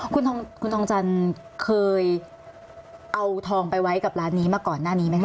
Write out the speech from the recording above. คุณทองจันทร์เคยเอาทองไปไว้กับร้านนี้มาก่อนหน้านี้ไหมคะ